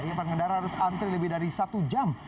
ya pengendara harus antri lebih dari satu jam